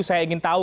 saya ingin tahu